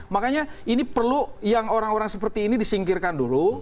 makanya ini perlu yang orang orang seperti ini disingkirkan dulu